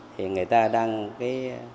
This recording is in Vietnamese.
thì người ta đang cái